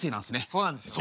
そうなんですよね。